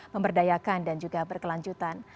memberdayakan dan juga berkelanjutan